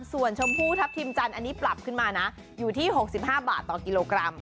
ส่วนชมพูทัพทิมจันทร์อันนี้ปรับขึ้นมานะอยู่ที่๖๕บาทต่อกิโลกรัม